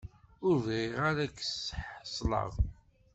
Ur bɣiɣ ara ad k-ssḥeṣleɣ.